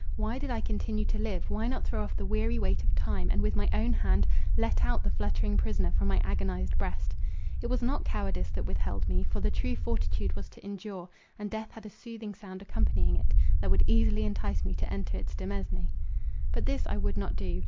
Why did I continue to live— why not throw off the weary weight of time, and with my own hand, let out the fluttering prisoner from my agonized breast?—It was not cowardice that withheld me; for the true fortitude was to endure; and death had a soothing sound accompanying it, that would easily entice me to enter its demesne. But this I would not do.